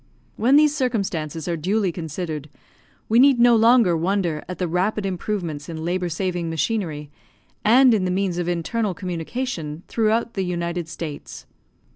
When these circumstances are duly considered, we need no longer wonder at the rapid improvements in labour saving machinery, and in the means of internal communication throughout the United States.